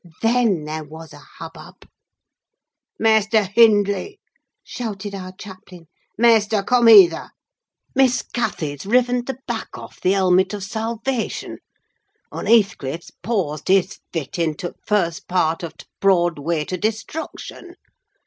Then there was a hubbub! "'Maister Hindley!' shouted our chaplain. 'Maister, coom hither! Miss Cathy's riven th' back off "Th' Helmet o' Salvation," un' Heathcliff's pawsed his fit into t' first part o' "T' Brooad Way to Destruction!"